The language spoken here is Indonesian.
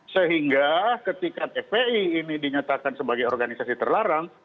sehingga ketika fpi ini dinyatakan sebagai organisasi terlarang